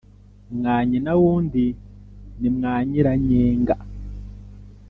Mwa nyina wundi ni mwa nyiranyenga.